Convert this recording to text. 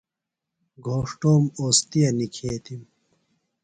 گھوݜٹوم اوستِیہ نِکھیتِم۔